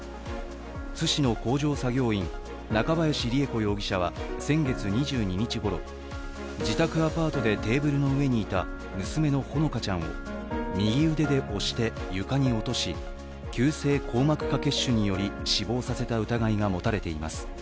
津市の工場作業員・中林りゑ子容疑者は先月２２日ごろ、自宅アパートでテーブルの上にいた娘のほのかちゃんを右腕で押して床に落とし、急性硬膜下血腫により死亡させた疑いが持たれています。